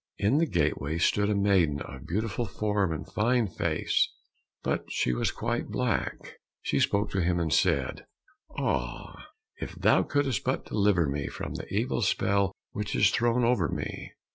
In the gateway stood a maiden of beautiful form and fine face, but she was quite black. She spoke to him and said, "Ah, if thou couldst but deliver me from the evil spell which is thrown over me."